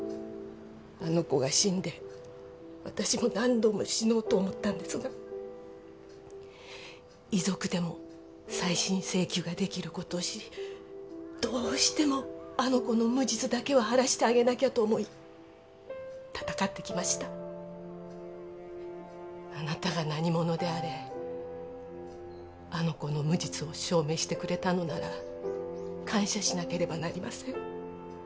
あの子が死んで私も何度も死のうと思ったんですが遺族でも再審請求ができることを知りどうしてもあの子の無実だけは晴らしてあげなきゃと思い戦ってきましたあなたが何者であれあの子の無実を証明してくれたのなら感謝しなければなりません